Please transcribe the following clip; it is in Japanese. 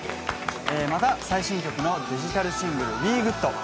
また最新曲のデジタルシングル「ＷｅＧｏｏｄ」